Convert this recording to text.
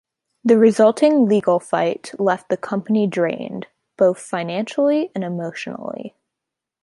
The resulting legal fight left the company drained, both financially and emotionally.